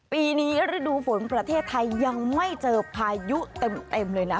ปีนี้ฤดูฝนประเทศไทยยังไม่เจอพายุเต็มเลยนะ